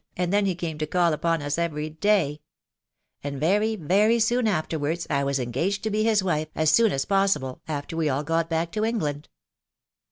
and then he came to call upon us every day; and very, very, very soon afterwards, I was en gaged to be his wife as soon as possible, after we all got back to England."